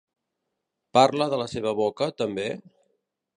Parla de la seva boca, també?